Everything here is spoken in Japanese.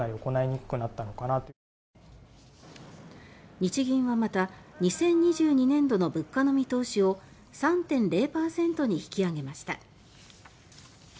日銀はまた２０２２年度の物価の見通しを３．０％に引き上げました。